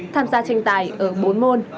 tham gia tranh tài ở bốn môn